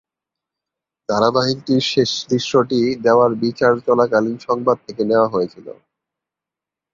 ধারাবাহিকটির শেষ দৃশ্যটি দেওয়ার বিচার চলাকালীন সংবাদ থেকে নেওয়া হয়েছিল।